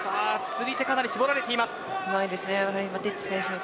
釣り手はかなり絞られています。